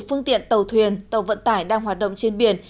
phương tiện tàu thuyền tàu vận tải đang hoạt động trên biển